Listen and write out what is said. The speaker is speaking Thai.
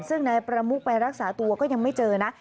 ซึ่งนายประมุกไปรักษาตัวก็ยังไม่เจอนะ